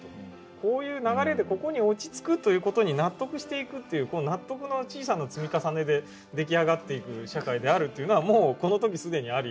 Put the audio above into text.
こういう流れでここに落ち着くという事に納得していくっていうこの納得の小さな積み重ねで出来上がっていく社会であるというのはもうこの時既にあり